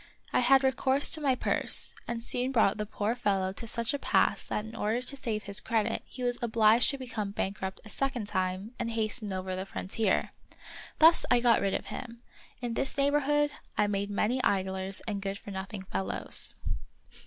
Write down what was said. I had recourse to my purse, and soon brought the poor fellow to such a pass that in order to save his credit he was obliged to become bankrupt a second time and hasten over the frontier. Thus I got rid of him. In this neighborhood I made many idlers and good for nothing fellows.